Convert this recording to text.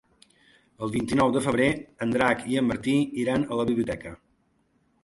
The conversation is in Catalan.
El vint-i-nou de febrer en Drac i en Martí iran a la biblioteca.